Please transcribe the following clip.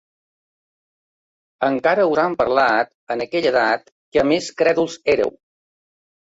Encara us han parlat en aquella edat que més crèduls éreu.